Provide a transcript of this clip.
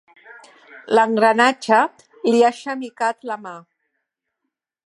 L'engranatge li ha xemicat la mà.